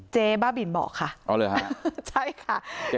เจ๊บ้าบิลบอกค่ะเอาเลยค่ะใช่ค่ะ